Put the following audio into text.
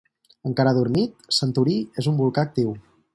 Encara adormit, Santorí és un volcà actiu.